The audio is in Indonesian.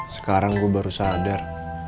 sekarang gue baru sadar